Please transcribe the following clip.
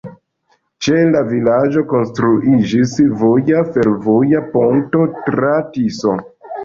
Ĉe la vilaĝo konstruiĝis voja-fervoja ponto tra Tiso.